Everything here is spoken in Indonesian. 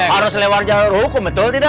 harus lewar jalan hukum betul tidak